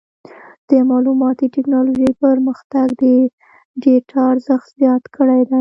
د معلوماتي ټکنالوجۍ پرمختګ د ډیټا ارزښت زیات کړی دی.